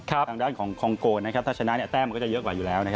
ทางด้านของคองโกนะครับถ้าชนะแต้มมันก็จะเยอะกว่าอยู่แล้ว